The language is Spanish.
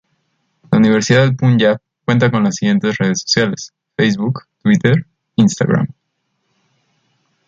La Universidad del Punyab cuenta con las siguientes redes sociales: Facebook, Twitter, Instagram.